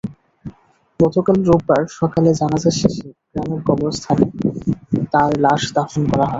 গতকাল রোববার সকালে জানাজা শেষে গ্রামের কবরস্থানে তাঁর লাশ দাফন করা হয়।